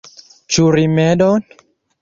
Ĉu rimedon?